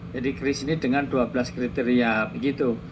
jadi kris ini dengan dua belas kriteria begitu